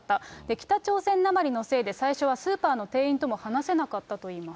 北朝鮮なまりのせいで、最初はスーパーの店員とも話せなかったといいます。